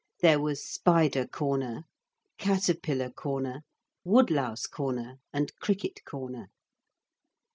There was Spider corner, Caterpillar corner, Wood louse corner, and Cricket corner.